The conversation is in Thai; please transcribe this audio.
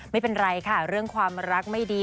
ไม่เป็นไรค่ะเรื่องความรักไม่ดี